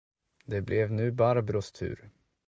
Det blev nu Barbros tur.